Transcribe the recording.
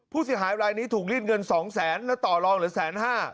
ผู้เสียหายรายนี้ถูกรีดเงิน๒๐๐๐๐๐บาทแล้วต่อรอง๑๕๐๐๐๐บาท